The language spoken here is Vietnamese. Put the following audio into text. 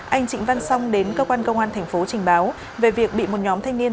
anh trịnh văn song đến cơ quan công an thành phố trình báo về việc bị một nhóm thanh niên